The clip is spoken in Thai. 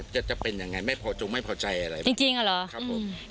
จะเป็นยังไงไม่พอจงไม่พอใจอะไรจริงอ่ะเหรอครับผม